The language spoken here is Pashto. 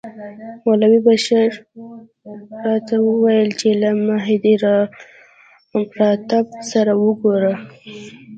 مولوي بشیر راته وویل چې له مهیندراپراتاپ سره وګوره.